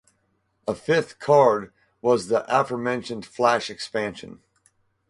A fifth card was the aforementioned flash expansion.